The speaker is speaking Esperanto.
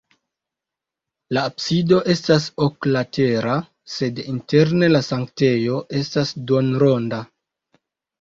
La absido estas oklatera, sed interne la sanktejo estas duonronda.